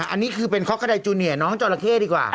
อันนี้คือเป็นคอคโคไทยจูเนียร์น้องจอหละเข้ดีกว่า